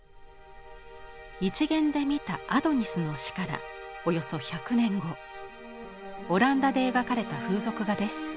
１限で見た「アドニスの死」からおよそ１００年後オランダで描かれた風俗画です。